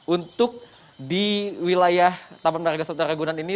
untuk di wilayah taman warga suat raya ragunan ini